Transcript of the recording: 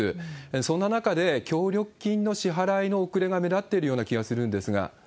そんな中で、協力金の支払いの遅れが目立っているような気がするんですが。